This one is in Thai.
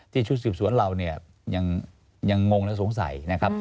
ที่ชุดสืบสวนเรายังงงและสงสัย